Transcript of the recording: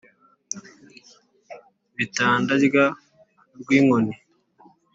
b'i tanda rya rwinkoni,